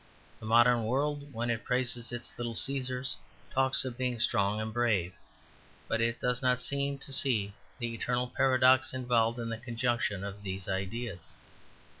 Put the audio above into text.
The modern world, when it praises its little Caesars, talks of being strong and brave: but it does not seem to see the eternal paradox involved in the conjunction of these ideas.